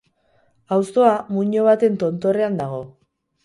Auzoa muino baten tontorrean dago.